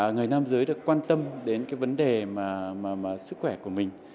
người nam giới đã quan tâm đến vấn đề sức khỏe của mình